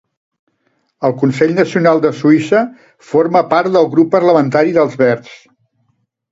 Al Consell Nacional de Suïssa forma part del grup parlamentari dels Verds.